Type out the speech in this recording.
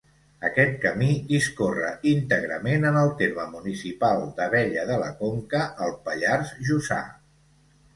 Aquest camí discorre íntegrament en el terme municipal d'Abella de la Conca, al Pallars Jussà.